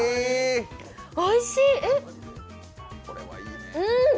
おいしい！